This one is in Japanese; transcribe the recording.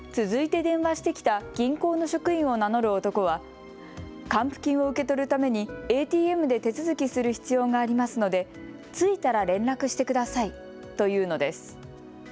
続いて電話してきた銀行の職員を名乗る男は還付金を受け取るためにＡＴＭで手続きする必要がありますので着いたら連絡してくださいと言うのです。